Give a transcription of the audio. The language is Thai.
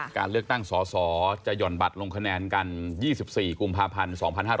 การเลือกตั้งสสจะหย่อนบัตรลงคะแนนกัน๒๔กุมภาพันธ์๒๕๕๙